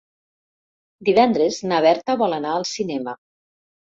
Divendres na Berta vol anar al cinema.